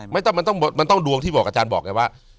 ไม่ต้องมันต้องดวงที่บอกอาจารย์บอกไงว่า